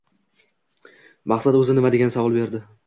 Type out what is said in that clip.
Maqsad o’zi nima degan savol berdi.